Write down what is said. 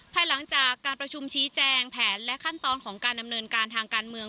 ภายหลังจากการประชุมชี้แจงแผนและขั้นตอนของการดำเนินการทางการเมือง